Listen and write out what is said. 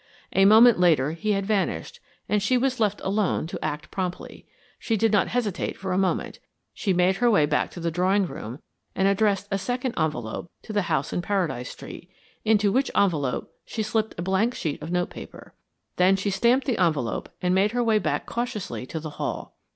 A moment later he had vanished, and she was left alone to act promptly. She did not hesitate for a moment; she made her way back to the drawing room and addressed a second envelope to the house in Paradise Street, into which envelope she slipped a blank sheet of notepaper. Then she stamped the envelope and made her way back cautiously to the hall.